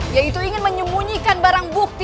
yaitu ingin menyembunyikan barang bukti